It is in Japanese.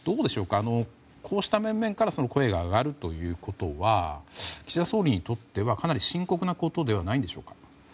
こうした面々から声が上がるということは岸田総理にとってはかなり深刻なことではないんでしょうか。